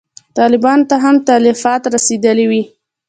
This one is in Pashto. طالبانو ته هم تلفات رسېدلي وي.